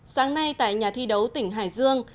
sáng nay tại nhà thi đấu tỉnh hải dương